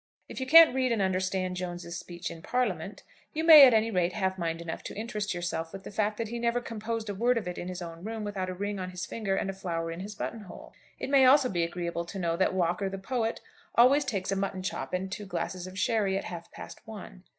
If you can't read and understand Jones's speech in Parliament, you may at any rate have mind enough to interest yourself with the fact that he never composed a word of it in his own room without a ring on his finger and a flower in his button hole. It may also be agreeable to know that Walker the poet always takes a mutton chop and two glasses of sherry at half past one.